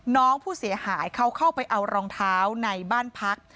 น้องผู้เสียหายเขาเข้าไปเอารองเท้าในบ้านพัก